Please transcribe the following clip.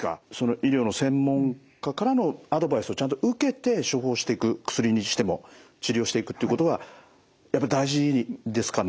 医療の専門家からのアドバイスをちゃんと受けて処方していく薬にしても治療していくっていうことがやっぱり大事ですかね。